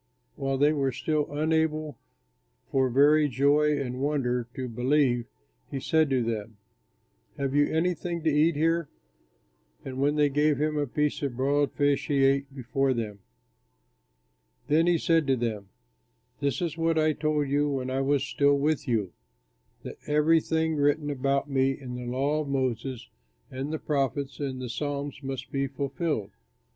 While they were still unable for very joy and wonder to believe, he said to them, "Have you anything to eat here?" And when they gave him a piece of broiled fish, he ate before them. Then he said to them, "This is what I told you when I was still with you, that everything written about me in the law of Moses and the prophets and the psalms must be fulfilled."